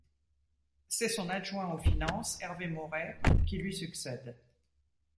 C'est son adjoint aux finances Hervé Maurey qui lui succède.